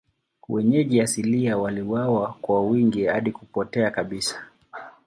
Wenyeji asilia waliuawa kwa wingi hadi kupotea kabisa.